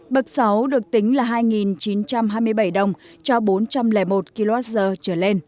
bậc sáu được tính là hai chín trăm hai mươi bảy đồng cho bốn trăm linh một kwh